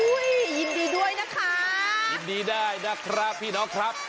ยินดีด้วยนะคะยินดีได้นะครับพี่น้องครับ